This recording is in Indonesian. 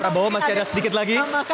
silakan pak prabowo masih ada sedikit lagi